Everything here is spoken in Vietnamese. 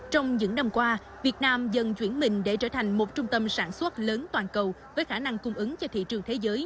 trong những năm qua việt nam dần chuyển mình để trở thành một trung tâm sản xuất lớn toàn cầu với khả năng cung ứng cho thị trường thế giới